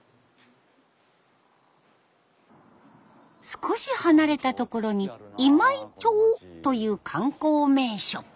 少し離れた所に今井町という観光名所。